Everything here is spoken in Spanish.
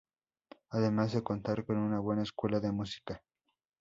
Además de contar con una buena escuela de música.